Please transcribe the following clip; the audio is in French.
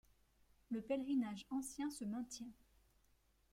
Le pèlerinage ancien se maintient.